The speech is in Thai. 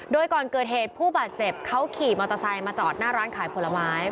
โดยก่อนเกิดเหตุผู้บาดเจ็บเขาขี่มอเตอร์ไซค์มาจอดหน้าร้านขายผลไม้